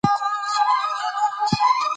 تصحیح د غلطیو اصلاح کولو ته وايي.